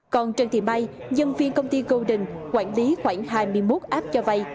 còn trần thị bay nhân viên công ty golden quản lý khoảng hai mươi một app cho vai